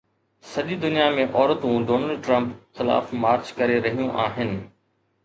سڄي دنيا ۾ عورتون ڊونلڊ ٽرمپ خلاف مارچ ڪري رهيون آهن